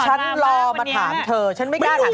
ฉันรอมาถามเธอฉันไม่กล้าถามคนอื่นเลย